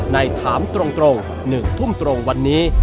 ถามตรง๑ทุ่มตรงวันนี้